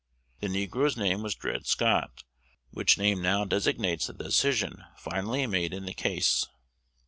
The negro's name was Dred Scott, which name now designates the decision finally made in the case.